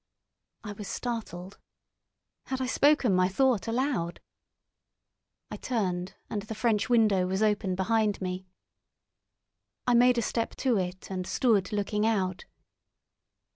I was startled. Had I spoken my thought aloud? I turned, and the French window was open behind me. I made a step to it, and stood looking out.